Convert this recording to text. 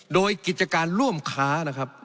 โดยกิจการร่วมค้านะครับ